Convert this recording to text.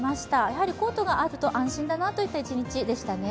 やはりコートがあると安心だなといったような一日でしたね。